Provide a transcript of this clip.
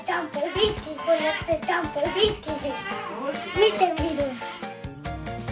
見てみる。